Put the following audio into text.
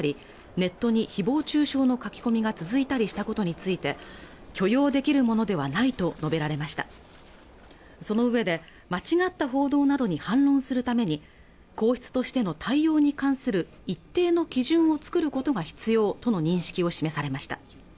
ネットに誹謗中傷の書き込みが続いたりしたことについて許容できるものではないと述べられましたそのうえで間違った報道などに反論するために皇室としての対応に関する一定の基準を作ることが必要との認識を示されました